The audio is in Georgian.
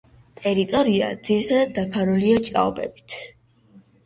ტერიტორია ძირითადად დაფარულია ჭაობებით.